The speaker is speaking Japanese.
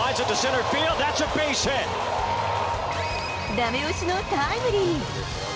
だめ押しのタイムリー。